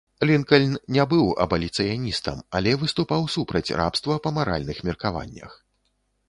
Лінкальн не быў абаліцыяністам, але выступаў супраць рабства па маральных меркаваннях.